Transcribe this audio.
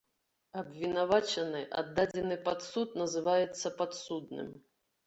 Абвінавачаны, аддадзены пад суд, называецца падсудным.